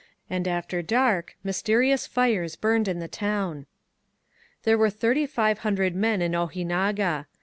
And after i4Tkj mysterious fires burned in the town. ' '/There were thirty five hundred men in Ojinaga.